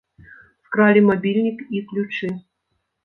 Скралі мабільнік і ключы.